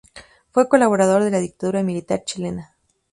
Fue colaborador de la dictadura militar chilena.